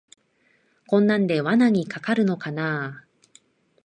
こんなんで罠にかかるのかなあ